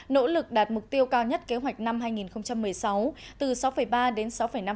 nỗ lực đạt mục tiêu cao nhất kế hoạch năm hai nghìn một mươi sáu từ sáu ba đến sáu năm